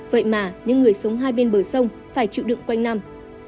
vậy mà những người sống hai bên bờ sông phải chịu đựng quanh năm